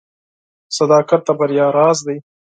• صداقت د بریا راز دی.